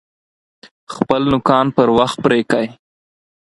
خپل نوکان پر وخت پرې کئ!